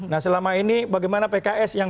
nah selama ini bagaimana pks yang